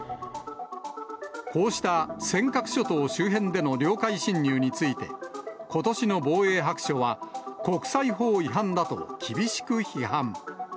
こうした尖閣諸島周辺での領海侵入について、ことしの防衛白書は、国際法違反だと厳しく批判。